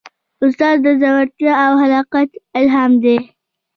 استاد د زړورتیا او خلاقیت الهام دی.